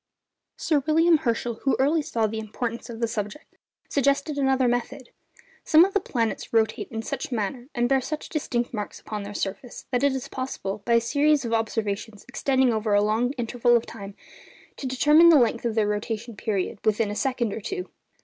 Sir William Herschel, who early saw the importance of the subject, suggested another method. Some of the planets rotate in such a manner, and bear such distinct marks upon their surface, that it is possible, by a series of observations extending over a long interval of time, to determine the length of their rotation period within a second or two.